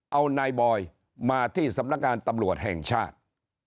เอานายบอยมาที่สำนักงานตำรวจแห่งชาติ